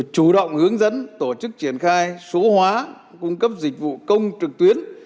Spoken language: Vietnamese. chủ động hướng dẫn tổ chức triển khai số hóa cung cấp dịch vụ công trực tuyến